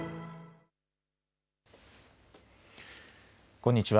こんにちは。